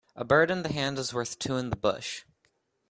A bird in the hand is worth two in the bush